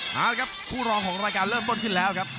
เอาละครับคู่รองของรายการเริ่มต้นขึ้นแล้วครับ